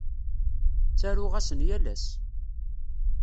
Ttaruɣ-asen yal ass.